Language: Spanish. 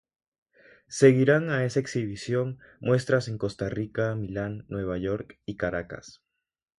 Seguirán a esa exhibición muestras en Costa Rica, Milán, Nueva York y Caracas.